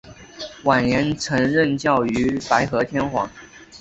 晚年曾任教于白河天皇。